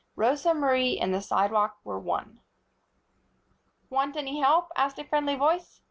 Rosa Marie and the sidewalk were one. "Want any help?" asked a friendly voice.